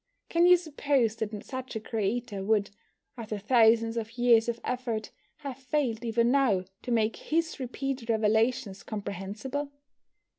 Can you suppose that such a creator would, after thousands of years of effort, have failed even now to make His repeated revelations comprehensible?